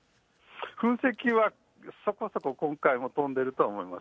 噴石はそこそこ今回も飛んでいるとは思います。